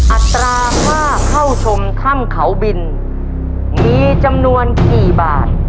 อัตราค่าเข้าชมถ้ำเขาบินมีจำนวนกี่บาท